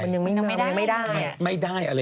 มันยังไม่ได้เลยอะได้แต่ใบไม่ได้อะไรเลย